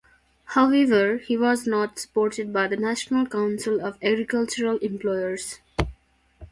However, he was not supported by the National Council of Agricultural Employers.